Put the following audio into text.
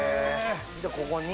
ここに。